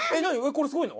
これ、すごいの？